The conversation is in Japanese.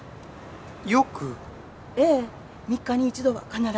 ええ３日に１度は必ず。